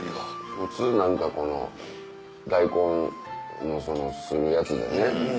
普通何かこの大根のするやつでね